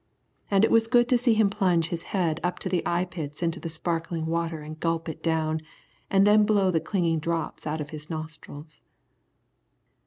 And it was good to see him plunge his head up to the eyepits into the sparkling water and gulp it down, and then blow the clinging drops out of his nostrils.